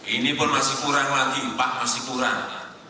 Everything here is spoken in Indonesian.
ini pun masih kurang lagi rp empat sembilan triliun masih kurang